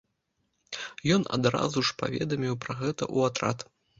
Ён адразу ж паведаміў пра гэта ў атрад.